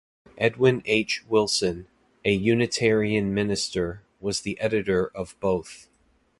Edwin H. Wilson, a Unitarian minister, was the editor of both.